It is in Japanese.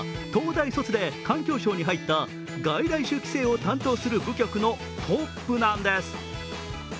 実は、東大卒で環境省に入った外来種規制を担当する局のトップなんです。